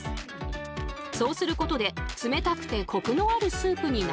そうすることで冷たくてコクのあるスープになるんだとか。